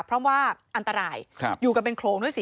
เพราะว่าอันตรายอยู่กันเป็นโครงด้วยสิ